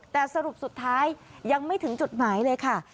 แต่สรุปสุดท้ายยังไม่ถึงจุดหมายเลยค่ะ